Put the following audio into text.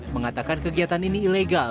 mengatakan kegiatan ini ilegal